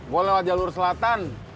gue lewat jalur selatan